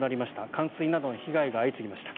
冠水などの被害が相次ぎました。